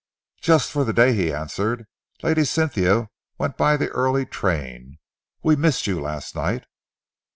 "Just for the day," he answered. "Lady Cynthia went by the early train. We missed you last night."